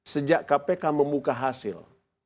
sejak kpk membuka hasil